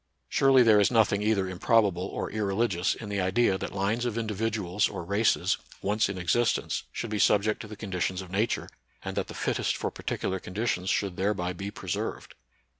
Surely there is nothing either improbable or irreligious in the idea that lines of individuals or races, once in existence, should be subject to the conditions of Nature, and that the fittest for particular conditions should thereby be preserved.